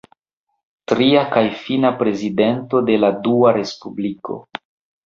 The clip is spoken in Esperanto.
Tria kaj fina prezidento de la Dua respubliko.